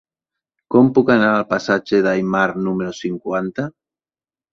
Com puc anar al passatge d'Aymar número cinquanta?